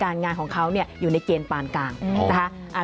งานของเขาอยู่ในเกณฑ์ปานกลางนะคะ